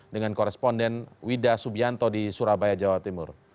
dengan koresponden wida subianto di surabaya jawa timur